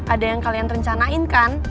ada yang kalian rencanain kan